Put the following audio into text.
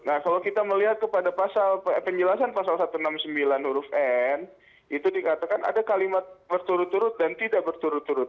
nah kalau kita melihat kepada penjelasan pasal satu ratus enam puluh sembilan huruf n itu dikatakan ada kalimat berturut turut dan tidak berturut turut